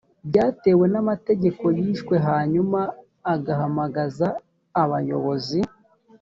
byatewe n’amategeko yishwe hanyuma agahamagaza abayobozi